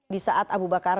di saat abu bakar